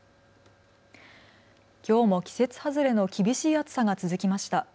きょうも季節外れの厳しい暑さが続きました。